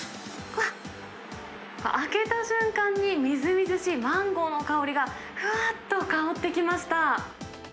うわ、開けた瞬間に、みずみずしいマンゴーの香りがふわっと香ってきました。